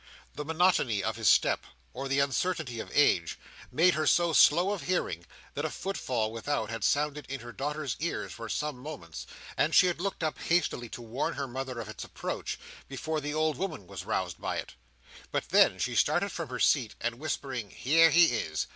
The monotony of his step, or the uncertainty of age, made her so slow of hearing, that a footfall without had sounded in her daughter's ears for some moments, and she had looked up hastily to warn her mother of its approach, before the old woman was roused by it. But then she started from her seat, and whispering "Here he is!"